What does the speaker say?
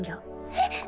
えっ！？